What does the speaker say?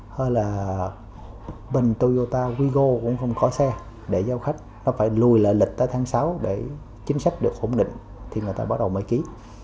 hay là bên toyota wigo cũng không có xe để giao khách nó phải lùi lợi lịch tới tháng sáu để chính xác được ổn định thì người ta bắt đầu mới ký